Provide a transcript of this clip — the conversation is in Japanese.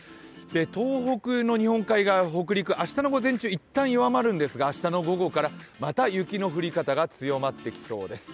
東北の日本海側と北陸はいったん弱まるんですが、明日の午後からまた雪の降り方が強まってきそうです。